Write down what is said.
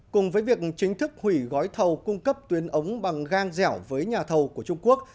cùng với việc chính thức hủy gói thầu cung cấp tuyến ống bằng gang dẻo với nhà thầu của trung quốc